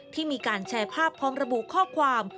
ที่มีการแชร์ภาพพร้อมระบุข้อความ